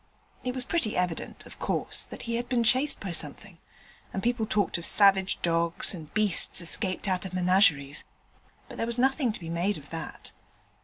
It was pretty evident, of course, that he had been chased by something, and people talked of savage dogs, and beasts escaped out of menageries; but there was nothing to be made of that.